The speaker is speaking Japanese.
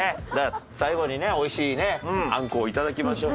最後にね美味しいねあんこを頂きましょう。